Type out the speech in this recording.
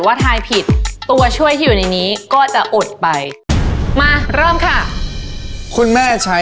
ไม่คิดไม่เอา